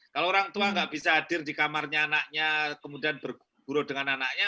kalau orang tua nggak bisa hadir di kamarnya anaknya kemudian berburu dengan anaknya